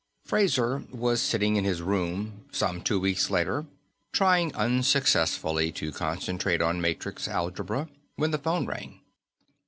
Fraser was sitting in his room some two weeks later, trying unsuccessfully to concentrate on matrix algebra, when the phone rang.